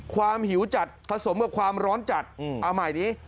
หิวจัดผสมกับความร้อนจัดเอาใหม่นี้